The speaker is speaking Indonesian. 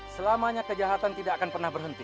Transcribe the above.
selamanya kejahatan tidak akan pernah berhenti